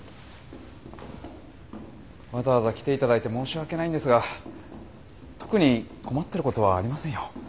わざわざ来ていただいて申し訳ないんですが特に困ってることはありませんよ。